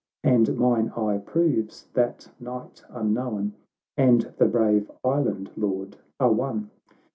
And mine eye proves that Knight Unknown And the brave Island Lord are one.